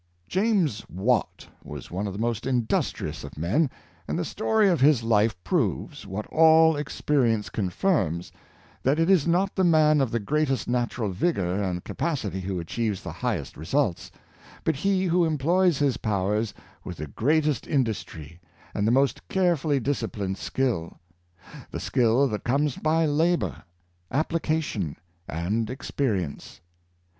James Watt was one of the most industrious of men, and the story of his life proves, what all experience con firms, that it is not the man of the greatest natural vigor and capacity who achieves the highest results, but he who employs his powers with the greatest industry and the most carefully disciplined skill — the skill that comes by labor, application and experience.